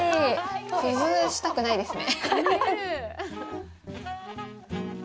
崩したくないですね。